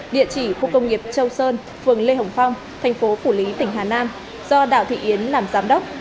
địa chỉ khu công nghiệp châu sơn phường lê hồng phong thành phố phủ lý tỉnh hà nam do đạo thị yến làm giám đốc